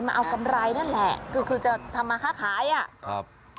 มาเอากำไรนั่นแหละคือคือจะทำมาค่าขายอ่ะครับ